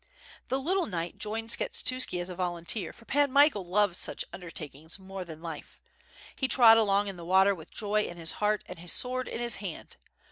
The little knight joined Skshetuski as a volunteer, for Pan Michael loved such undertakings more than life. He trod along in the water with joy in his heart and his sword in his hand.